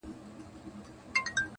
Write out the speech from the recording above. • په خِصلت درویش دی یاره نور سلطان دی,